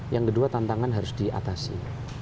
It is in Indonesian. yang kedua tantangan harus diatasi